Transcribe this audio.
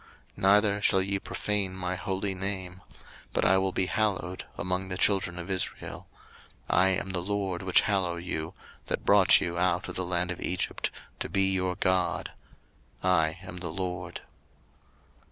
03:022:032 Neither shall ye profane my holy name; but I will be hallowed among the children of Israel: I am the LORD which hallow you, 03:022:033 That brought you out of the land of Egypt, to be your God: I am the LORD.